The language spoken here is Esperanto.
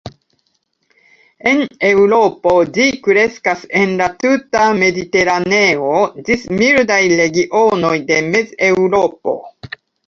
En Eŭropo ĝi kreskas en la tuta mediteraneo ĝis mildaj regionoj de Mezeŭropo.